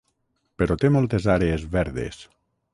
Però té moltes àrees verdes.